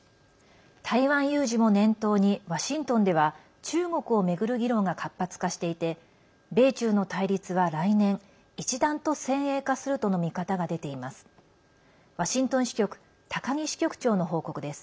台湾有事も念頭にワシントンでは中国を巡る議論が活発化していて米中の対立は来年、一段と先鋭化するとの見方が出ています。